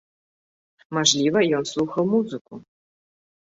Мажліва, ён слухаў музыку.